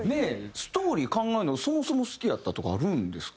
ストーリー考えるのそもそも好きやったとかあるんですか？